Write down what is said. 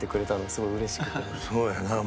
そうやな。